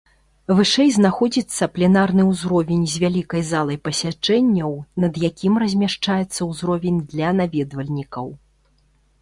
Вышэй знаходзіцца пленарны ўзровень з вялікай залай пасяджэнняў, над якім размяшчаецца ўзровень для наведвальнікаў.